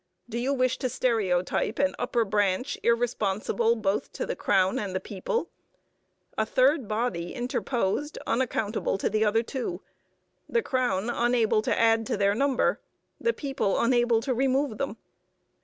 Do you wish to stereotype an upper branch irresponsible both to the crown and the people? A third body interposed unaccountable to the other two. The crown unable to add to their number. The people unable to remove them.